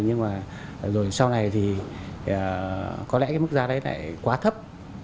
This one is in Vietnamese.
nhưng mà rồi sau này thì có lẽ cái mức giá đấy lại quá thấp